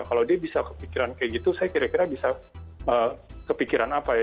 kalau dia bisa kepikiran kayak gitu saya kira kira bisa kepikiran apa ya